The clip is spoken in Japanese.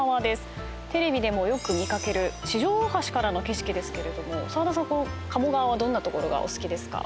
テレビでもよく見掛ける四条大橋からの景色ですけれども澤田さん鴨川はどんなところがお好きですか？